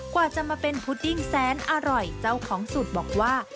กว่าจะมาเป็นพุดดิ้งแสนอร่อยเจ้าของสูตรบอกว่า